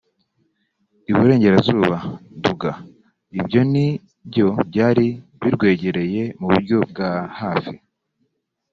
I Burengerazuba(Nduga) ; ibyo ni byo byari birwegereye mu buryo bwa hafi